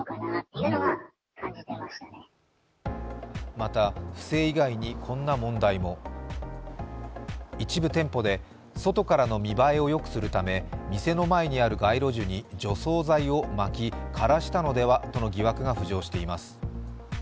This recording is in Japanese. また不正以外にこんな問題も一部店舗で、外からの見栄えをよくするため店の前にある街路樹に除草剤をまき枯らしたのではとの疑惑が浮上しています。